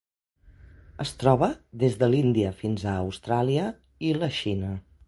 Es troba des de l'Índia fins a Austràlia i la Xina.